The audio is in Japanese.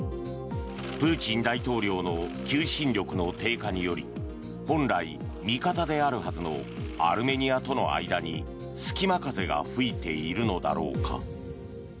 プーチン大統領の求心力の低下により本来、味方であるはずのアルメニアとの間に隙間風が吹いているのだろうか。